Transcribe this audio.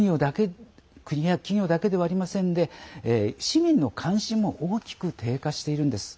国や企業だけではありませんで市民の関心も大きく低下しているんです。